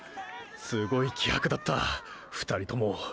すごい気迫だった２人とも！！